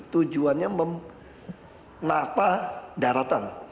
tujuannya menata daratan